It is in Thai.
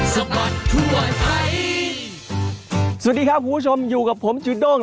สวัสดีครับคุณผู้ชมอยู่กับผมจูด้ง